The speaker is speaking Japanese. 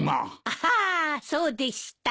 あっそうでした。